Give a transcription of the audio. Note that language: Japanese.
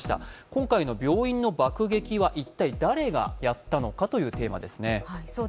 今回の病院の爆撃は一体誰がやったのかというテーマですね。